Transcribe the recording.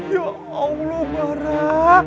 ya allah bara